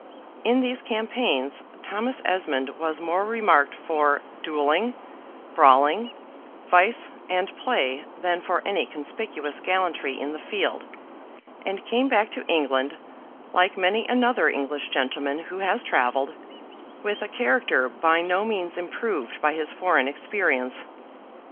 In these campaigns Thomas Esmond was more remarked for duelling, brawling, vice, and play, than for any conspicuous gallantry in the field, and came back to England, like many another English gentleman who has travelled, with a character by no means improved by his foreign experience.